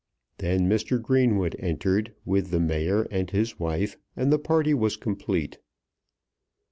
Then Mr. Greenwood entered, with the Mayor and his wife, and the party was complete.